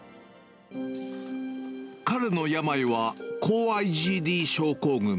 彼の病は高ＩｇＤ症候群。